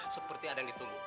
seperti ada yang ditunggu